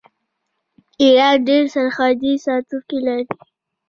ایران ډیر سرحدي ساتونکي لري.